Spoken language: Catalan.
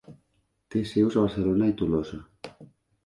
Té seus a Barcelona i Tolosa.